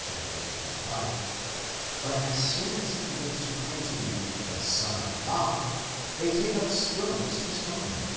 25), but as soon as he begins to claim to be the Son of God, ¢hey take up stones to stone him.